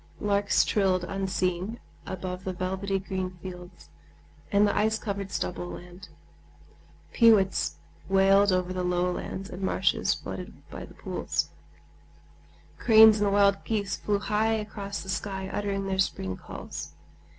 Larks trilled unseen above the velvety green fields and the ice covered stubble land; peewits wailed over the low lands and marshes flooded by the pools; cranes and wild geese flew high across the sky uttering their spring calls.